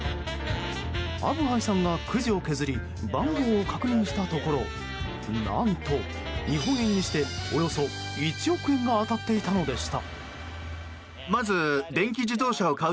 アブハイさんが、くじを削り番号を確認したところ何と、日本円にしておよそ１億円が当たっていたのでした。